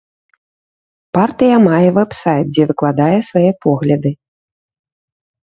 Партыя мае вэб-сайт, дзе выкладае свае погляды.